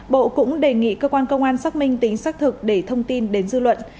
bộ cũng đề nghị cơ quan công an xác minh tính xác thực để thông tin đến dư luận